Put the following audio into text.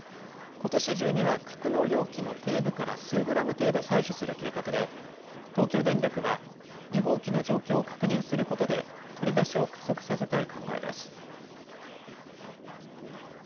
ことし中には格納容器の底部から数グラム程度、採取する計画で東京電力は２号機の状況を確認することで取り出しを加速させたい考えです。